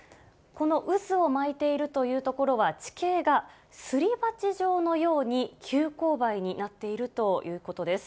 この渦を巻いているという所は、地形がすり鉢状のように急勾配になっているということです。